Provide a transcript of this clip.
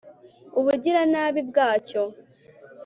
ubugiranabi bwacyo